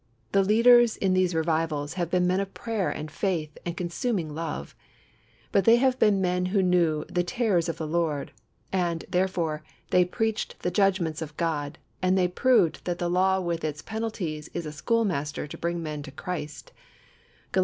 The leaders in these revivals have been men of prayer and faith and consuming love, but they have been men who knew "the terrors of the Lord," and, therefore, they preached the judgments of God, and they proved that the law with its penalties is a schoolmaster to bring men to Christ (Gal.